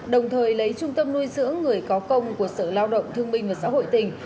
đồng thời lấy trung tâm nuôi dưỡng người có công của sở lao động thương minh và xã hội tỉnh